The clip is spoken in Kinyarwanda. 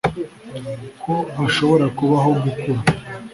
ko ashobora kubaho gukura